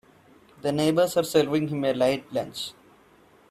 The neighbors are serving him a light lunch.